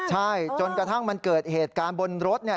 ใช่จนกระทั่งมันเกิดเหตุการณ์บนรถเนี่ย